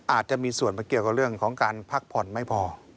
อาจจะมีส่วนเกี่ยวกับเรื่องของการพักผ่อนไม่พอ